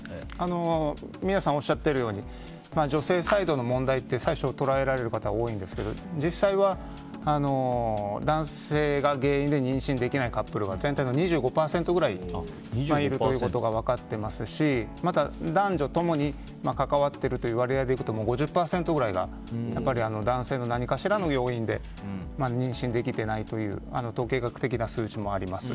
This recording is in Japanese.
皆さんおっしゃっているように女性サイドの問題って最初捉えられる方が多いんですけど実際は、男性が原因で妊娠できないカップルが全体の２５％くらいいるということが分かっていますしまた、男女ともに関わっているという割合でいうと５０％くらいが男性の何かしらの要因で妊娠できていないという統計学的な数字があります。